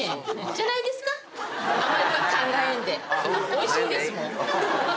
おいしいですもん。